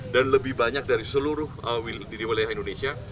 dan lebih banyak dari seluruh diri wilayah indonesia